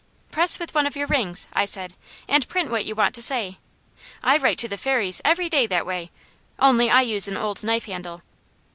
"Press with one of your rings," I said, "and print what you want to say. I write to the Fairies every day that way, only I use an old knife handle."